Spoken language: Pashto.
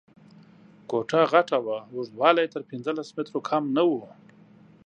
کوټه غټه وه، اوږدوالی یې تر پنځلس مترو کم نه و.